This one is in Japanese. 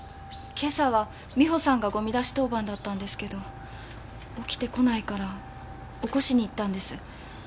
今朝は美帆さんがゴミ出し当番だったんですけど起きてこないから起こしに行ったんです。